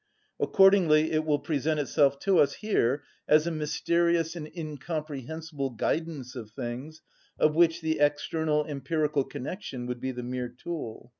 Accordingly it will present itself to us here as a mysterious and incomprehensible guidance of things, of which the external empirical connection would be the mere tool.